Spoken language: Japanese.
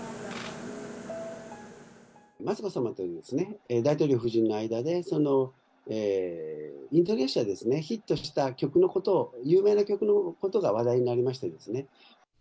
雅子さまと大統領夫人の間で、インドネシアでヒットした曲のことを、有名な曲のことが話題になりましたですね。